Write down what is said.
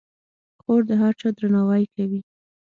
خور د هر چا درناوی کوي.